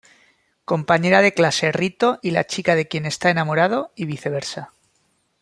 Compañera de clase Rito y la chica de quien está enamorado, y viceversa.